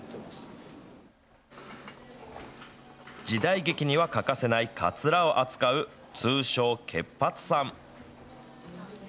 時代劇には欠かせないかつらを扱う通称、結髪さん。